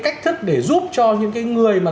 cách thức để giúp cho những cái người mà